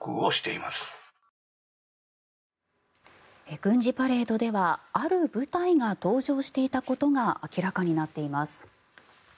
軍事パレードではある部隊が登場していたことが明らかになっています。